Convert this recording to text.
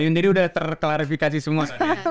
ini sudah terklarifikasi semua